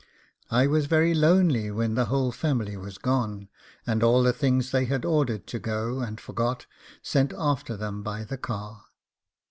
I was very lonely when the whole family was gone, and all the things they had ordered to go, and forgot, sent after them by the car.